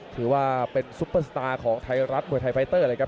ถือว่าเป็นซุปเปอร์สตาร์ของไทยรัฐมวยไทยไฟเตอร์เลยครับ